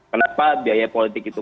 kenapa biaya politik itu